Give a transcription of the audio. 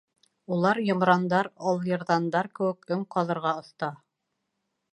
Улар йомрандар, алйырҙандар кеүек өң ҡаҙырға оҫта.